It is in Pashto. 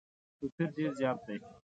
توپیر ډېر زیات دی.